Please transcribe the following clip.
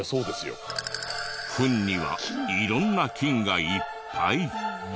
フンには色んな菌がいっぱい。